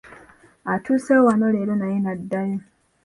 Atuuseewo wano leero naye n’addayo.